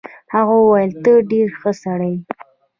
هغه وویل ته ډېر ښه سړی یې.